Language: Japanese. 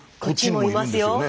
こっちもいますよ。